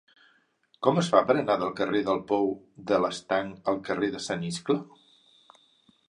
Com es fa per anar del carrer del Pou de l'Estanc al carrer de Sant Iscle?